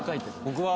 僕は。